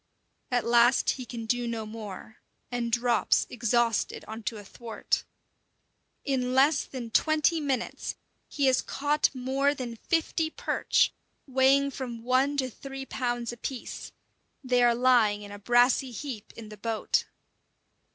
At last he can do no more, and drops exhausted on to a thwart. In less than twenty minutes he has caught more than fifty perch, weighing from one to three pounds apiece; they are lying in a brassy heap in the boat.